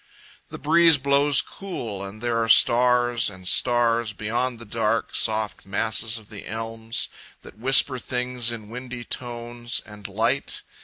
The breeze blows cool and there are stars and stars Beyond the dark, soft masses of the elms That whisper things in windy tones and light.